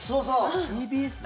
ＴＢＳだ。